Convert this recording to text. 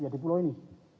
di pulau ini